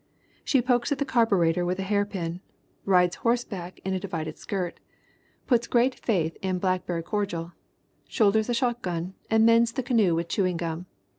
She pokes at the carburetor with a hairpin, rides horseback in a divided skirt, puts MARY ROBERTS RINEHART 61 great faith in blackberry cordial, shoulders a shotgun and mends the canoe with chewing gum.